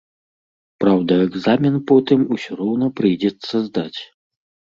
Праўда, экзамен потым усё роўна прыйдзецца здаць.